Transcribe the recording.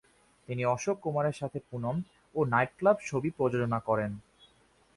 তিনি অশোক কুমারের সাথে "পুনম" ও "নাইট ক্লাব" ছবি প্রযোজনা করেন।